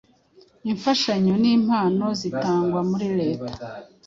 imfashanyo nimpano zitangwa muri leta